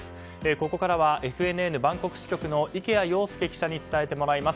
ここからはＦＮＮバンコク支局の池谷庸介記者に伝えてもらいます。